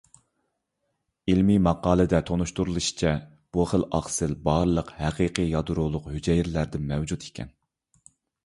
ئىلمىي ماقالىدە تونۇشتۇرۇلۇشىچە، بۇ خىل ئاقسىل بارلىق ھەقىقىي يادرولۇق ھۈجەيرىلەردە مەۋجۇت ئىكەن.